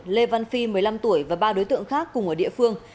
lê văn phi một mươi năm tuổi và ba đối tượng khác cùng ở địa phương